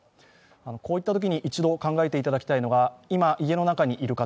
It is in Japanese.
こういったときに一度考えていただきたいのが今、家の中にいる方